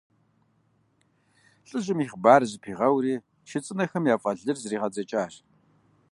ЛӀыжьым и хъыбарыр зэпигъэури, чы цӀынэхэм яфӀэлъ лыр зэригъэдзэкӀащ.